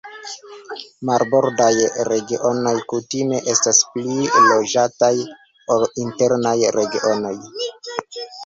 Marbordaj regionoj kutime estas pli loĝataj ol internaj regionoj.